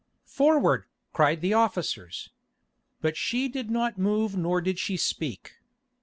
"Forward!" cried the officers. But she did not move nor did she speak.